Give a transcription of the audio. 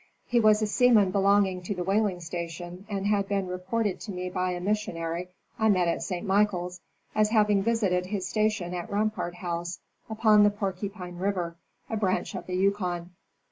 He was. a seaman belonging to the whaling station and had been reported to me by a missionary I met at St. Michaels as having visited his station at Rampart house, upon the Porcupine river, a branch of the Yukon.